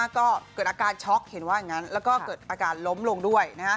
ก็เกิดอาการช็อกเห็นว่าอย่างนั้นแล้วก็เกิดอาการล้มลงด้วย